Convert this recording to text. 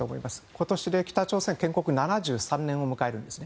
今年で北朝鮮建国７３年を迎えるんですね。